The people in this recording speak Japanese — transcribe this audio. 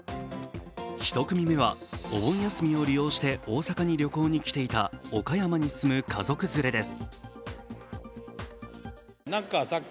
１組目はお盆休みを利用して大阪に旅行に来ていた岡山に住む家族連れです。